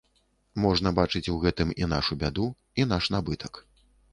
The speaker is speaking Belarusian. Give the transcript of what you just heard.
Можна бачыць у гэтым і нашу бяду, і наш набытак.